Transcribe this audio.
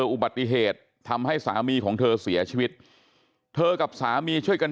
อุบัติเหตุทำให้สามีของเธอเสียชีวิตเธอกับสามีช่วยกัน